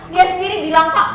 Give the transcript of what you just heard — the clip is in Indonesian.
dia sendiri bilang pak